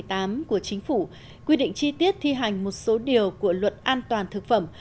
năm hai nghìn một mươi tám của chính phủ quy định chi tiết thi hành một số điều của luật an toàn thực phẩm